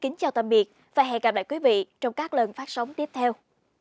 kính chào tạm biệt và hẹn gặp lại quý vị trong các lần phát sóng tiếp theo